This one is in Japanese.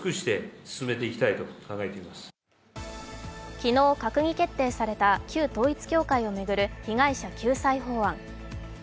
昨日、閣議決定された旧統一教会を巡る被害者救済法案。